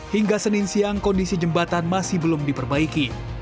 hingga senin siang kondisi jembatan masih belum diperbaiki